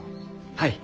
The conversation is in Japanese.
はい。